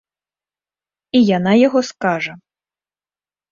І яна яго скажа.